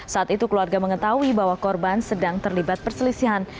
saat itu keluarga mengetahui bahwa korban sedang terlibat perselisihan